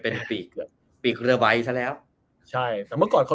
เป็นปีก